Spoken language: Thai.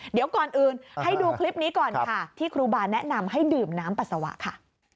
เดี๋ยวก่อนอื่นให้ดูคลิปนี้ก่อนค่ะที่ครูบาแนะนำให้ดื่มน้ำปัสสาวะค่ะ